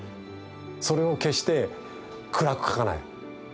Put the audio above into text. それを決して暗く描かない。